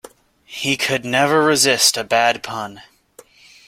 He could never resist a bad pun.